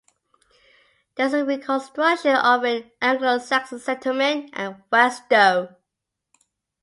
There is a reconstruction of an Anglo-Saxon settlement at West Stow.